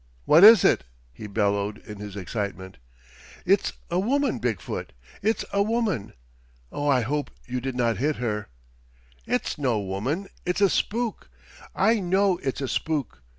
"What is it?" he bellowed in his excitement. "It's a woman, Big foot! It's a woman! Oh, I hope you did not hit her!" "It's no woman; it's a spook. I know it's a spook!"